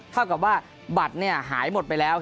เท่ากับว่าบัตรหายหมดไปแล้ว